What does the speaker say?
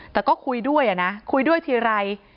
แต่ก็คุยด้วยนะคุยด้วยทีไร